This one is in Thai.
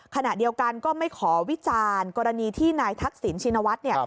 ขณะเดียวกันก็ไม่ขอวิจารณ์กรณีที่นายทักษิณชินวัฒน์